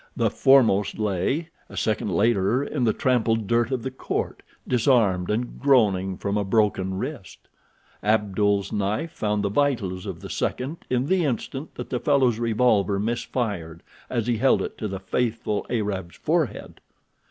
The foremost lay, a second later, in the trampled dirt of the court, disarmed and groaning from a broken wrist. Abdul's knife found the vitals of the second in the instant that the fellow's revolver missed fire as he held it to the faithful Arab's forehead.